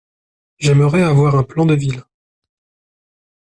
J’aimerais avoir un plan de ville.